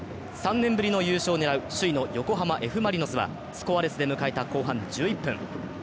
３年ぶりの優勝を狙う首位の横浜Ｆ・マリノスは、スコアレスで迎えた後半１１分。